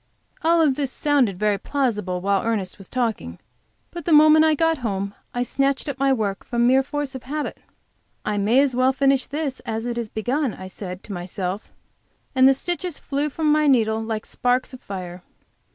All this sounded very plausible while Ernest was talking, but the moment I got home I snatched up my work from mere force of habit. "I may as well finish this as it is begun," I said to myself, and the stitches flew from my needle like sparks of fire.